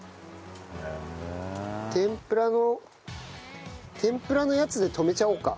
天ぷらの天ぷらのやつでとめちゃおうか。